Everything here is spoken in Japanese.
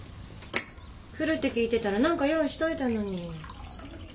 来るって聞いてたら何か用意しといたのに。